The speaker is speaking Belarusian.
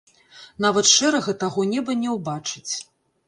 Нават шэрага таго неба не ўбачыць.